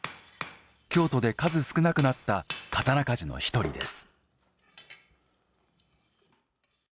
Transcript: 京都で数少なくなった刀鍛冶の１人です。